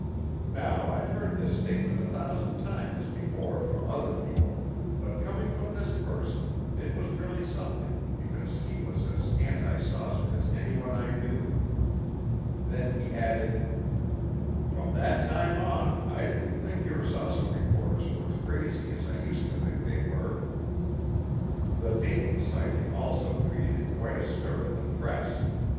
Now I'd heard this statement a thousand times before from other people, but coming from this person, it was really something because he was as anti saucer as anyone I knew. Then he added, "From that time on I didn't think your saucer reporters were as crazy as I used to think they were." The Dayton sighting also created quite a stir in the press.